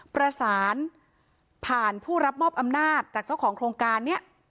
ประสานผ่านผู้รับมอบอำนาจจากเจ้าของโครงการนี้